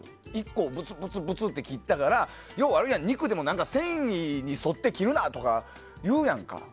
１個ブツブツって切ったから肉でも繊維に沿って切るなとかいうやんか。